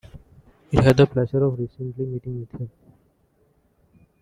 I had the pleasure of recently meeting with him.